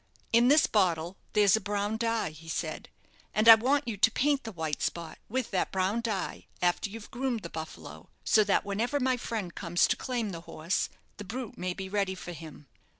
"In this bottle there's a brown dye," he said; "and I want you to paint the white spot with that brown dye after you've groomed the 'Buffalo,' so that whenever my friend comes to claim the horse the brute may be ready for him.